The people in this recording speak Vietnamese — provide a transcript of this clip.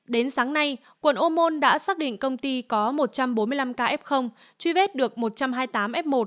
đến sáng nay quận ô môn đã xác định công ty có một trăm bốn mươi năm k f truy vết được một trăm hai mươi tám f một